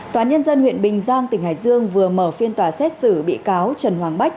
tòa nhân dân huyện bình giang tỉnh hải dương vừa mở phiên tòa xét xử bị cáo trần hoàng bách